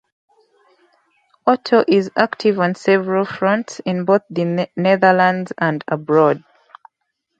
Otto is active on several fronts in both the Netherlands and abroad.